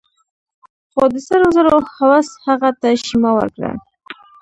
خو د سرو زرو هوس هغه ته شيمه ورکړه.